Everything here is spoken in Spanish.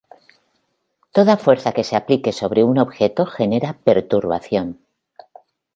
Toda fuerza que se aplique sobre un objeto genera perturbación.